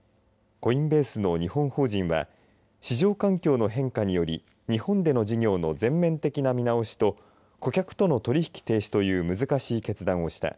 コインベースの日本法人は市場環境の変化により日本での事業の全面的な見直しと顧客との取引停止という難しい決断をした。